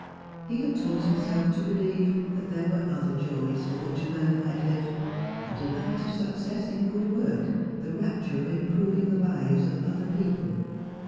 He had taught himself to believe that there were other joys for which a man might live — the delight of success in good work, the rapture of improving the lives of other people.